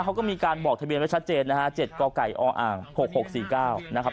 เขาก็มีการบอกทะเบียนไว้ชัดเจนนะฮะ๗กไก่ออ๖๖๔๙นะครับ